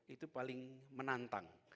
itu paling menantang